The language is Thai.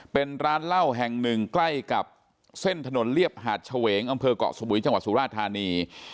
เป็นร้านเหล้าแห่งหนึ่งใกล้กับเส้นถนนเรียบหาดเฉวงอำเภอกเกาะสมุยจังหวัดสุราธานี